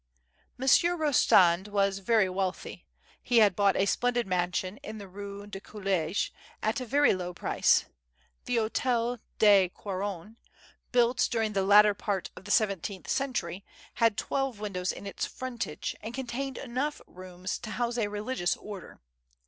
Monsieur Eostand was very wealthy. He had bought a splendid mansion in the Eue du College at a very low price. The Hotel de Coiron, built during the latter part of the Seventeenth Century, had twelve windows in its frontage, and contained enough rooms to house a religious order.